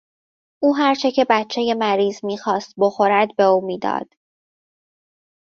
او هرچه که بچهی مریض میخواست بخورد به او میداد.